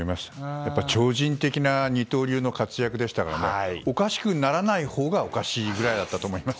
超人的な二刀流の活躍でしたからおかしくならないほうがおかしいぐらいだと思います。